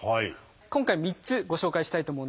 今回３つご紹介したいと思うんですけど。